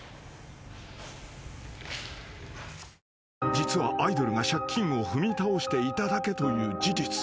［実はアイドルが借金を踏み倒していただけという事実］